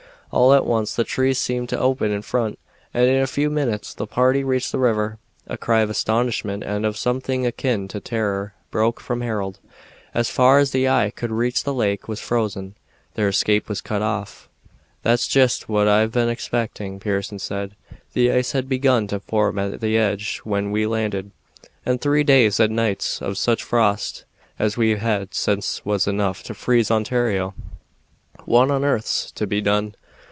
All at once the trees seemed to open in front, and in a few minutes the party reached the river. A cry of astonishment and of something akin to terror broke from Harold. As far as the eye could reach the lake was frozen. Their escape was cut off. "That's jest what I've been expecting," Pearson said. "The ice had begun to form at the edge when we landed, and three days and nights of such frost as we've had since was enough to freeze Ontario. What on arth's to be done?"